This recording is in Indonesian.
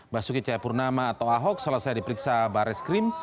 basuki cayapurnama atau ahok selesai diperiksa baret skrim